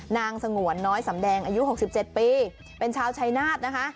นางสงวนน้อยสำแดงอายุ๖๗ปีเป็นชาวชายนาฏนะคะ